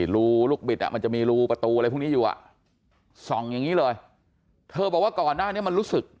รูลูกบิดมันจะมีรูประตูอะไรพวกนี้อยู่อ่ะส่องอย่างนี้เลยเธอบอกว่าก่อนหน้านี้มันรู้สึก